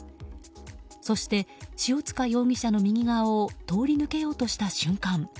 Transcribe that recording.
そして、塩塚容疑者の右側を通り抜けようとした瞬間